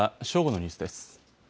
正午のニュースです。